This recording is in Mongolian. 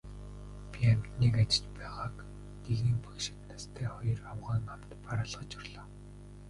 Би амьтныг ажиж байгааг гэгээн багшид настай хоёр авгайн хамт бараалхаж орлоо.